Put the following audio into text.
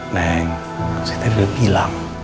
neng saya udah bilang